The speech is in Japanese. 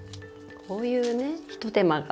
こういうねひと手間が。